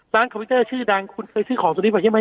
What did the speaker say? คอมพิวเตอร์ชื่อดังคุณเคยซื้อของตัวนี้มาใช่ไหม